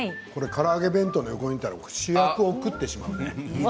これ、から揚げ弁当の隣にいたら主役を食ってしまうね